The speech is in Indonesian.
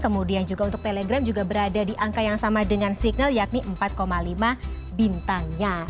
kemudian juga untuk telegram juga berada di angka yang sama dengan signal yakni empat lima bintangnya